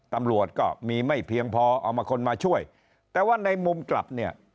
ตำรวจก็มีไม่เพียงพอเอามาคนมาช่วยแต่ว่าในมุมกลับเนี่ย